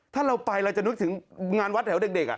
ถ้าเราไปเราจะนึกถึงงานวัดแถวเด็ก